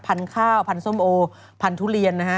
ข้าวพันธุ์ส้มโอพันธุเรียนนะฮะ